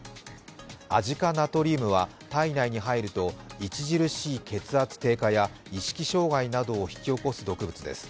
アジ化ナトリウムは体内に入ると、著しい血圧低下や意識障害などを引き起こす毒物です。